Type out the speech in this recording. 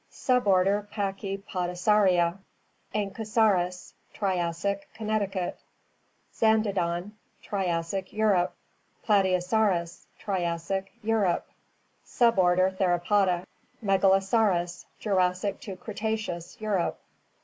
Suborder Pachypodosauria * Anckisaurus — Triassic; Connecticut Zandodon — Triassic; Europe. Plateosaurus — Triassic; Europe. Suborder Theropoda Megalosaurus — Jurassic to Cretaceous; Europe.